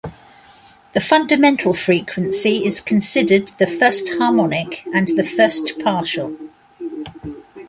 The fundamental frequency is considered the "first harmonic" and the "first partial.